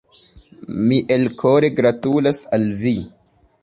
Mi elkore gratulas al vi!